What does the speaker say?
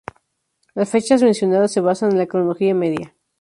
Las fechas mencionadas se basan en la Cronología Media.